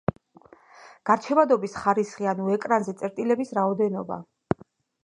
გარჩევადობის ხარისხი ანუ ეკრანზე წერტილების რაოდენობა.